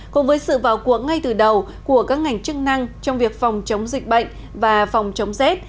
cùng với sự vào cuộng ngay từ đầu của các ngành chức năng trong việc phòng chống dịch bệnh và phòng chống rét